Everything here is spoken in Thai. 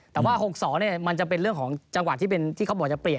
แต่ว่า๖๒มันจะเป็นเรื่องของจังหวะที่เขาบอกจะเปลี่ยน